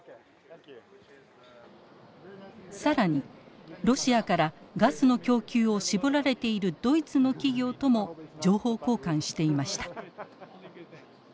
更にロシアからガスの供給を絞られているドイツの企業とも情報交換していました。